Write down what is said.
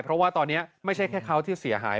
เพราะว่าตอนนี้ไม่ใช่แค่เขาที่เสียหาย